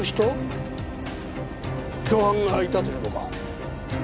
共犯がいたというのか？